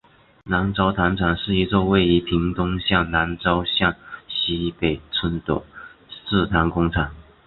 南州糖厂是一座位于屏东县南州乡溪北村的制糖工厂。